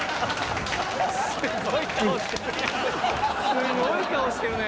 「すごい顔してるね